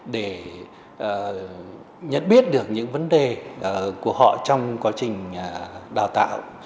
để nhận biết được những vấn đề của họ trong quá trình đào tạo